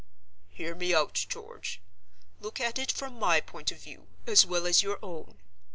"Hear me out, George; look at it from my point of view, as well as your own.